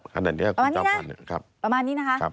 ขนาดนี้ครับคุณเจ้าขวัญนะครับครับประมาณนี้นะ